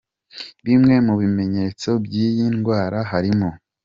Bimwe mu bimenyetso by’iyi ndwara harimo:.